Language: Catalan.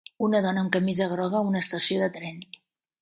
Una dona amb camisa groga a una estació de tren.